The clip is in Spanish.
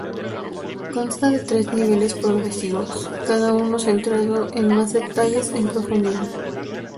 Consta de tres niveles progresivos, cada uno centrado en más detalle en profundidad.